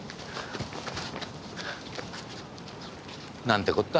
なんてこった。